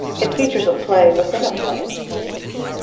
It features a play within a play.